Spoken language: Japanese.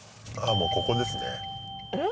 もうここですねえっ？